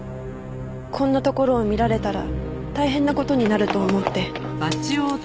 こんなところを見られたら大変な事になると思って。